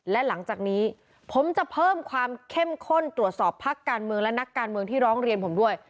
และหลังจากนี้ผมจะเพิ่มความเข้มข้นตรวจสอบพักการเมืองและนักการเมืองที่ร้องเรียนผมด้วย